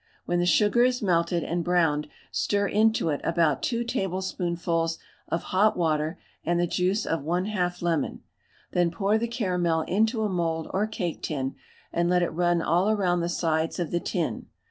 When the sugar is melted and browned stir into it about 2 tablespoonfuls of hot water, and the juice of 1/2 lemon. Then pour the caramel into a mould or cake tin, and let it run all round the sides of the tin.